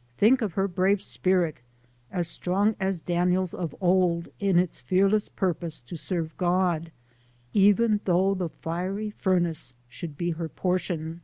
" Think of her brave spirit, as strong as Daniel's of old, in its fearless purpose to serve God, even though the fiery furnace should be her portion.